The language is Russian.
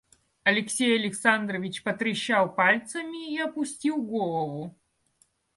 Алексей Александрович потрещал пальцами и опустил голову.